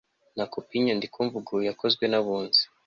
na kopi y inyandikomvugo yakozwe n Abunzi